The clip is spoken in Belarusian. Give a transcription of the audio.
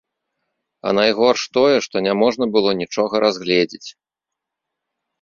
А найгорш тое, што няможна было нічога разгледзець.